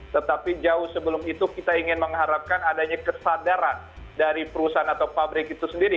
tetapi jauh sebelum itu kita ingin mengharapkan adanya kesadaran dari perusahaan atau pabrik itu sendiri